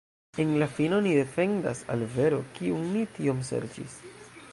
En la fino ni defendas al vero, kiun ni tiom serĉis.